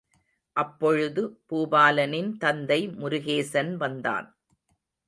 அப்பொழுது பூபாலனின் தந்தை முருகேசன் வந்தான்.